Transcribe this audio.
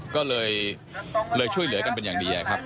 ก็เลยช่วยเหลือกันเป็นอย่างดีครับ